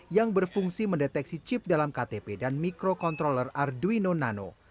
yang berfungsi mendeteksi chip dalam ktp dan microcontroller arduino nano